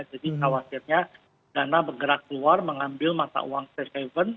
jadi khawatirnya dana bergerak keluar mengambil mata uang fed fund